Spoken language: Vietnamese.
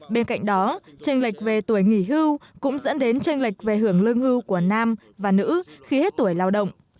bên cạnh đó tranh lệch về tuổi nghỉ hưu cũng dẫn đến tranh lệch về hưởng lương hưu của nam và nữ khi hết tuổi lao động